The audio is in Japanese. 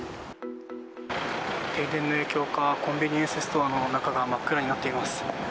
停電の影響かコンビニエンスストアの中が真っ暗になっています。